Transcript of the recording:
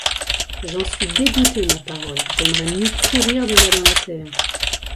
J’en suis dégoûté, ma parole! j’aimerais mieux pourrir déjà dans la terre...